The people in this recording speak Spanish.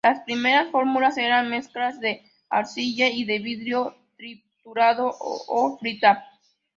Las primeras fórmulas eran mezclas de arcilla y de vidrio triturado o frita.